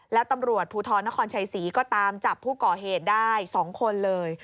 แล้วตำรวจภูทรนครชัยศรีก็ตามจับผู้ก่อเหตุได้๒คนเลย